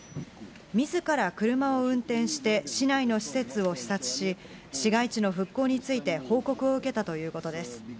みずから車を運転して、市内の施設を視察し、市街地の復興について報告を受けたということです。